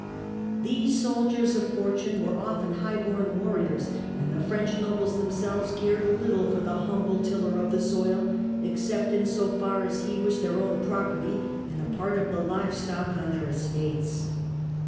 These soldiers of fortune were often high born warriors, and the French nobles themselves cared nothing for the humble tiller of the soil, except in so far as he was their own property and a part of the live stock on their estates.